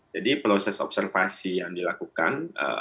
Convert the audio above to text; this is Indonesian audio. jadi proses observasi yang dilakukan